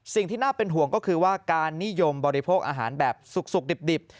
สิ่งที่น่าเป็นห่วงก็คือว่าการนิยมบริโภคอาหารแบบสุกดิบ